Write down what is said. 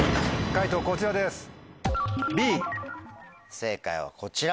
正解はこちら。